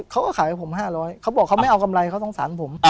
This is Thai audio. เค้าก็ขายให้ผมห้าร้อยเค้าบอกเค้าไม่เอากำไรเค้าต้องสารผม